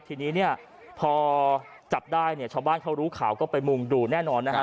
ทีนี้เนี่ยพอจับได้เนี่ยชาวบ้านเขารู้ข่าวก็ไปมุงดูแน่นอนนะฮะ